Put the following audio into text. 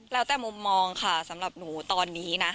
แล้วแต่มุมมองค่ะสำหรับหนูตอนนี้นะ